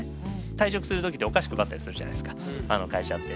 退職する時ってお菓子配ったりするじゃないですか会社って。